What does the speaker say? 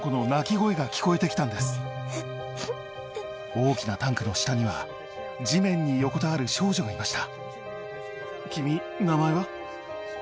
大きなタンクの下には地面に横たわる少女がいました。